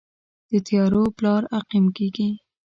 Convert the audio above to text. د تیارو پلار عقیم کیږي